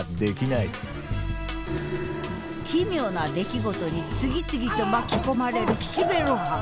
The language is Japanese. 奇妙な出来事に次々と巻き込まれる岸辺露伴。